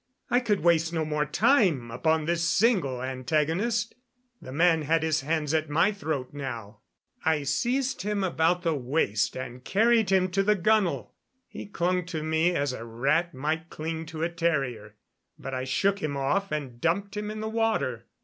I could waste no more time upon this single antagonist. The man had his hands at my throat now. I seized him about the waist and carried him to the gunwale. He clung to me as a rat might cling to a terrier, but I shook him off and dumped him in the water.